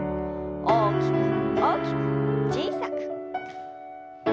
大きく大きく小さく。